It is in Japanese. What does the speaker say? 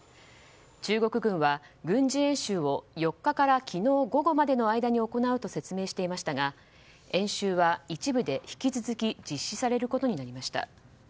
中国軍は軍事演習を４日から昨日午後までの間に行うと説明していましたが演習は一部で引き続き実施されることになりました。